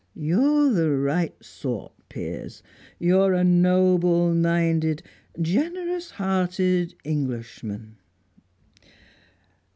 You're the right sort, Piers. You're a noble minded, generous hearted Englishman."